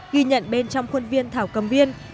ghi nhận bên trong khuôn viên thảo cầm viên